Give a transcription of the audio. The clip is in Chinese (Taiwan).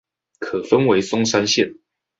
可分為松山線